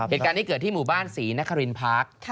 เหตุการณ์นี้เกิดที่หมู่บ้านศรีนครินพาร์ค